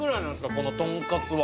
このとんかつは？